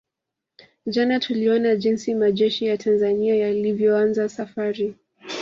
Jana tuliona jinsi majeshi ya Tanzania yalivyoanza safari